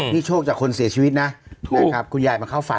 นี่โชคจากคนเสียชีวิตนะนะครับคุณยายมาเข้าฝัน